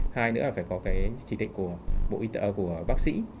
hai nữa là phải có cái chỉ định của bộ y tế của bác sĩ